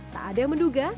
tak ada yang menduga